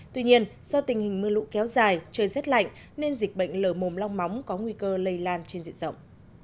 tuy nhiên do tình hình mưa lũ kéo dài trời rét lạnh nên dịch bệnh lở mồm long móng có nguy cơ lây lan trên diện rộng